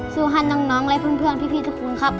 สู้ให้น้องและเพื่อนพี่ทุกคนครับ